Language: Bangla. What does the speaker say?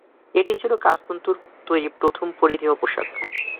এটিই ছিল কাচ তন্তুর তৈরী প্রথম পরিধেয় পোশাক।